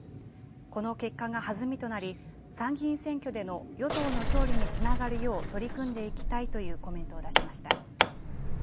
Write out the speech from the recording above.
この結果が弾みとなり、参議院選挙での与党の勝利につながるよう取り組んでいきたいというコメントを出しました。